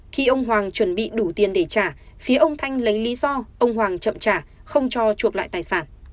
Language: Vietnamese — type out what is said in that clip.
khi ông hoàng chuẩn bị đủ tiền để trả phía ông thanh lấy lý do ông hoàng chậm trả không cho chuộc lại tài sản